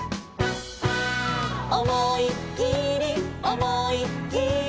「おもいっきりおもいっきり」